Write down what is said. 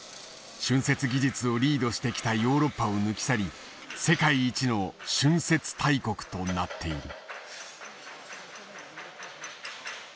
浚渫技術をリードしてきたヨーロッパを抜き去り世界一の浚渫大国となっている。